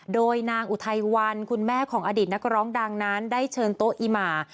โดยนางอุทัยวันคุณแม่ของอดีตนักร้องดังนั้นได้เชิญโต๊ะอีหมา